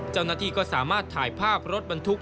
เจ้าหน้าที่ก็สามารถถ่ายภาพรถบรรทุก